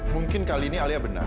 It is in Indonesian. mungkin kali ini alia benar